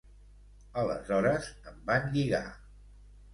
Aleshores em van lligar.